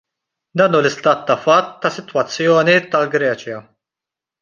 Dan hu l-istat ta' fatt tas-sitwazzjoni tal-Greċja.